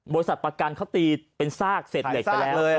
บริษัทประกันเขาตีเป็นซากเสร็จเลย